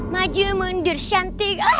maju mundur syantik